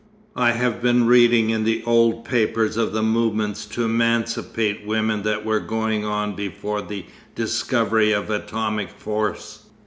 I have been reading in the old papers of the movements to emancipate women that were going on before the discovery of atomic force.